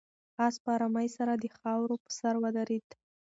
آس په آرامۍ سره د خاورو په سر ودرېد.